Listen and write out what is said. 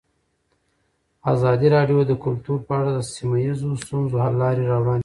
ازادي راډیو د کلتور په اړه د سیمه ییزو ستونزو حل لارې راوړاندې کړې.